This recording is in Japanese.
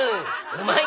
うまい。